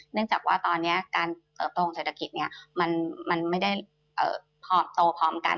จากว่าตอนนี้การเติบโตของเศรษฐกิจมันไม่ได้พอโตพร้อมกัน